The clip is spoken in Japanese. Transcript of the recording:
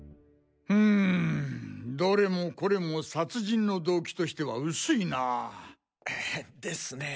うむどれもこれも殺人の動機としては薄いなぁ。ですね。